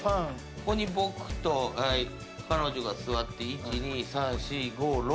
ここに僕と彼女が座って１２３４５６６人座れるわ。